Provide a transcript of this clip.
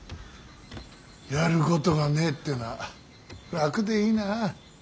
やることがねえってのは楽でいいなあ。